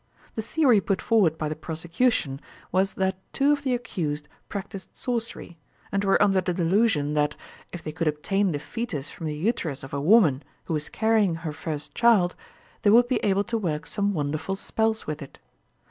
The theory put forward by the prosecution was that two of the accused practised sorcery, and were under the delusion that, if they could obtain the foetus from the uterus of a woman who was carrying her first child, they would be able to work some wonderful spells with it.